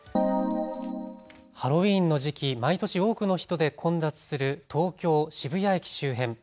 ハロウィーンの時期、毎年多くの人で混雑する東京渋谷駅周辺。